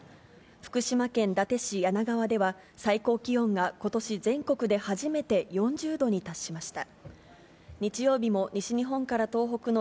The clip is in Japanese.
福島県伊達市梁川では、最高気温がことし全国で初めて４０度に達しました。